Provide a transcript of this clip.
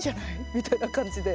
みたいな感じで。